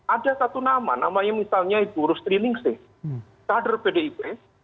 ada satu nama namanya misalnya ibu rustri ningsih kader pdip